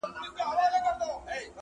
نه له زوره د زلمیو مځکه ګډه په اتڼ ده،